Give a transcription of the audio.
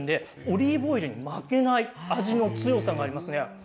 オリーブオイルに負けない味の強さがあります。